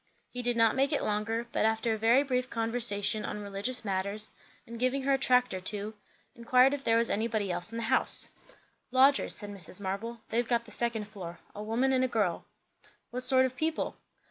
He did not make it longer; but after a very brief conversation on religious matters, and giving her a tract or two, inquired if there was anybody else in the house? "Lodgers," said Mrs. Marble. "They've got the second floor. A woman and a girl." "What sort of people?"